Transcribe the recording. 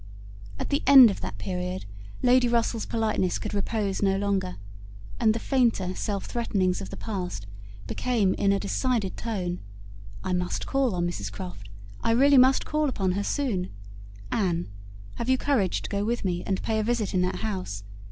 At the end of that period, Lady Russell's politeness could repose no longer, and the fainter self threatenings of the past became in a decided tone, "I must call on Mrs Croft; I really must call upon her soon. Anne, have you courage to go with me, and pay a visit in that house?